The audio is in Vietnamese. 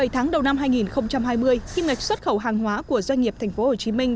bảy tháng đầu năm hai nghìn hai mươi khi mệnh xuất khẩu hàng hóa của doanh nghiệp thành phố hồ chí minh